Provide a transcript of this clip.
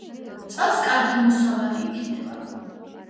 წელს კარგი მოსავალი იქნება